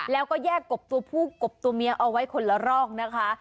แล้วก็แยกกบตัวผู้กบตัวเมียเอาไว้คนละรอกนะคะ